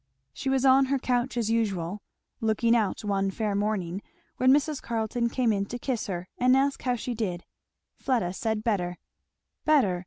She was on her couch as usual, looking out one fair morning, when Mrs. Carleton came in to kiss her and ask how she did. Fleda said better. "Better!